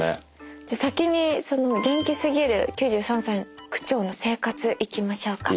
じゃあ先にその「元気すぎる９３歳区長の生活」いきましょうか。